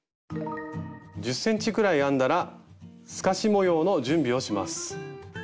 １０ｃｍぐらい編んだら透かし模様の準備をします。